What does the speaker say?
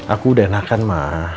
aku udah enakan ma